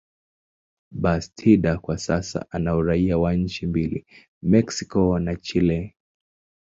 Bastida kwa sasa ana uraia wa nchi mbili, Mexico na Chile.